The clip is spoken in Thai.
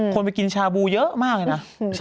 คนไปกินชาบูเยอะมากเลยนะ